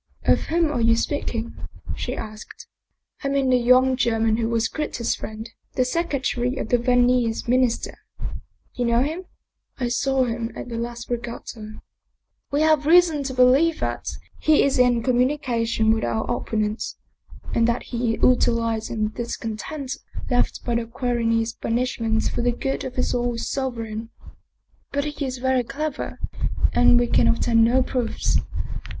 " Of whom are you speaking?" she asked. " I mean the young German who was Gritti's friend, the secretary of the Viennese minister. You know him ?"" I saw him at the last regatta." " We have reason to believe that he is in communication with our opponents, and that he is utilizing the discontent 53 German Mystery Stories left by Querini's banishment for the good of his own sov ereign. But he is very clever and we can obtain no proofs.